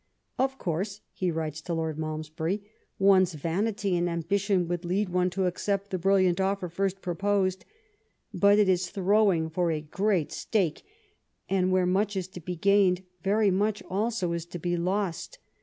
Of course [he writes to Lord Malmesbury], one's vanity and ambi tion would lead one to accept the brilliant offer first proposed ; but it is throwing for a great stcJee, and where much is to be gained, very much also is to be lost.